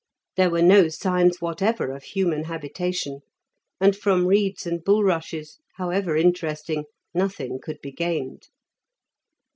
There were no signs whatever of human habitation, and from reeds and bulrushes, however interesting, nothing could be gained.